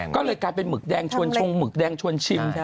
ก็เลยกลายเป็นหมึกแดงชวนชงหมึกแดงชวนชิม